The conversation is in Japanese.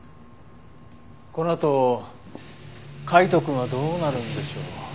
このあと海斗くんはどうなるんでしょう？